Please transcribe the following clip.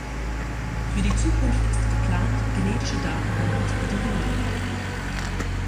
Für die Zukunft ist geplant, genetische Datenbanken zu integrieren.